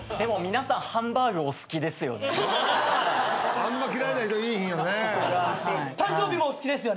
あんま嫌いな人いいひんよね。